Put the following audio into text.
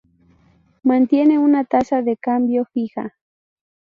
Mantiene una tasa de cambio fija.